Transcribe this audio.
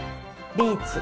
ビーツ。